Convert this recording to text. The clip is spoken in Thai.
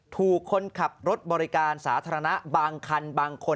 ถูกคนขับรถบริการสาธารณะบางคันบางคน